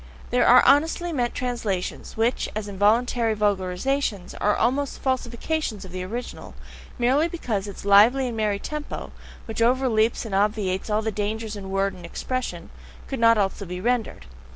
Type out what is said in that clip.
There are honestly meant translations, which, as involuntary vulgarizations, are almost falsifications of the original, merely because its lively and merry TEMPO (which overleaps and obviates all dangers in word and expression) could not also be rendered.